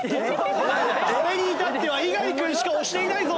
これに至っては猪狩君しか押していないぞ。